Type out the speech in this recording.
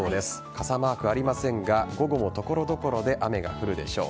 傘マークありませんが午後も所々で雨が降るでしょう。